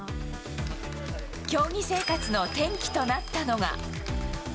競技生活の転機となったのが。